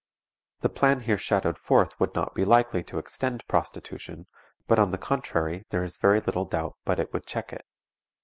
The plan here shadowed forth would not be likely to extend prostitution, but on the contrary there is very little doubt but it would check it.